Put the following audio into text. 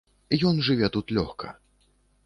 Ён жыве тут лёгка.